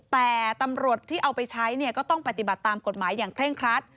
แต่ตำรวจที่เอาไปใช้เนี่ยก็ต้องปฏิบัติตามกฎหมายอย่างเคร่งครัด